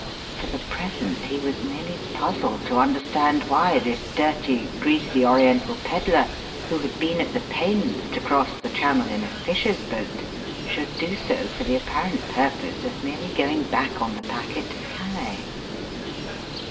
For the present he was merely puzzled to understand why this dirty, greasy Oriental pedler who had been at the pains to cross the Channel in a fisher's boat should do so for the apparent purpose of merely going back on the packet to Calais.